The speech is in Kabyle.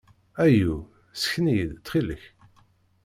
Ayu! Sken-iyi-d, ttxil-k!